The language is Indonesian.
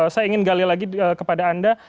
saya ingin gali lagi kepada anda